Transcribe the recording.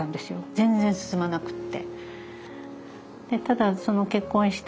全然進まなくて。